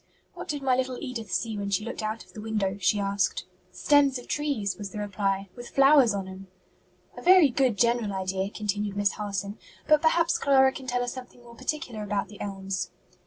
"What did my little Edith see when she looked out of the window?" she asked. "Stems of trees," was the reply, "with flowers on 'em." "A very good general idea," continued Miss Harson, "but perhaps Clara can tell us something more particular about the elms?"